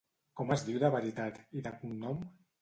Com es diu de veritat, i de cognom?